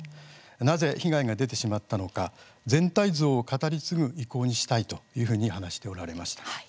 なぜ被害が出てしまったのか全体像を語り継ぐ遺構にしたいというふうに話しておられました。